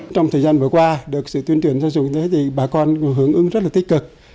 trong thời gian vừa qua được sự tuyên truyền giáo dục bà con hưởng ứng rất là tích cực